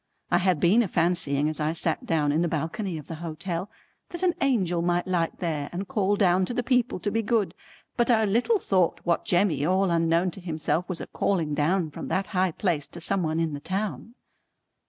I had been a fancying as I sat in the balcony of the hotel that an Angel might light there and call down to the people to be good, but I little thought what Jemmy all unknown to himself was a calling down from that high place to some one in the town.